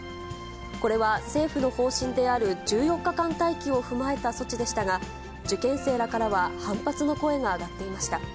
これは政府の方針である１４日間待機を踏まえた措置でしたが、受験生らからは反発の声が上がっていました。